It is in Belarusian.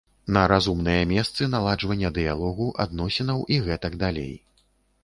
На разумныя месцы наладжвання дыялогу, адносінаў і гэтак далей.